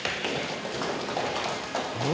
何？